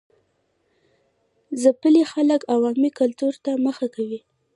ځپلي خلک عوامي کلتور ته مخه کوي.